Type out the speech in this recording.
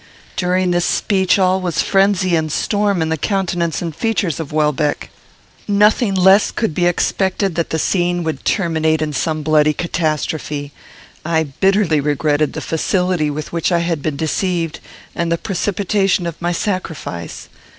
During this speech, all was frenzy and storm in the countenance and features of Welbeck. Nothing less could be expected than that the scene would terminate in some bloody catastrophe. I bitterly regretted the facility with which I had been deceived, and the precipitation of my sacrifice.